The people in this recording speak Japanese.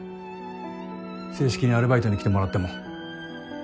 正式にアルバイトに来てもらっても。